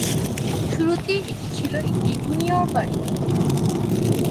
শুরুতে এটি ছিল একটি জুনিয়র বাড়ি।